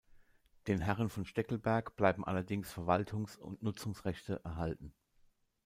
Den Herren von Steckelberg bleiben allerdings Verwaltungs- und Nutzungsrechte erhalten.